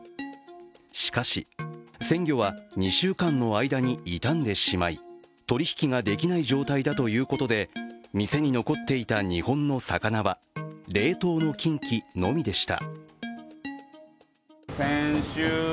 しかし鮮魚は、２週間の間に傷んでしまい取引ができない状態だということで店に残っていた日本の魚は冷凍のキンキのみでした。